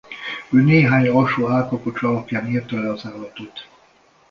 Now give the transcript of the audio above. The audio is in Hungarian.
Ő néhány alsó állkapocs alapján írta le az állatot.